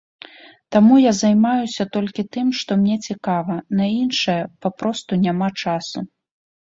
Таму я займаюся толькі тым, што мне цікава, на іншае папросту няма часу.